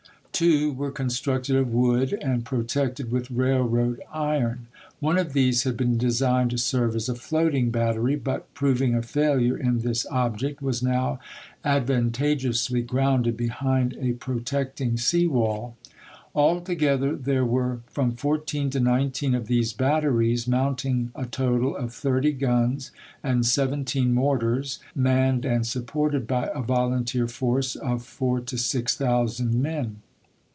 Two were constructed of wood and protected with railroad iron ; one of these had been designed to serve as a floating battery, but proving a failure in this object, was now advan tageously grounded behind a protecting sea wall. Altogether there were from fourteen to nineteen of these batteries, mounting a total of thirty guns and seventeen mortars, manned and supported by a volunteer force of four to six thousand men.